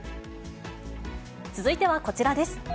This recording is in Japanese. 続いてはこちらです。